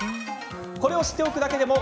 これを知っておくだけでも